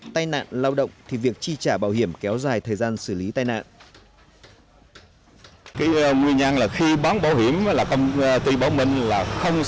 tai nạn lao động thì việc chi trả bảo hiểm kéo dài thời gian xử lý tai nạn